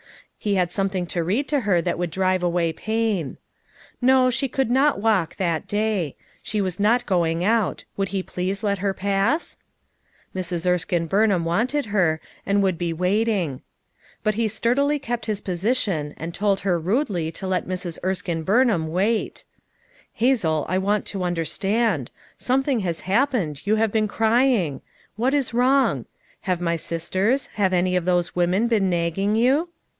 He had something to read to her that would drive away pain. No, she could not walk, that day. She was not go ing out; would he please let her pass? Mrs. Erskine Burnham wanted her, and would he waiting. But he sturdily kept his position and told her rudely to let Mrs. Erskine Burnham wait. £ l Hazel, I want to understand ; something has happened; you have been crying! What is wrong? Have my sisters, have any of those women been nagging you?